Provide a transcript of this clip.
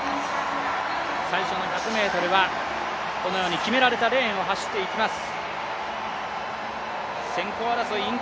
最初の１００ｍはこのように決められたレーンを走っていきます。